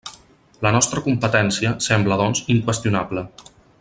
La nostra competència sembla, doncs, inqüestionable.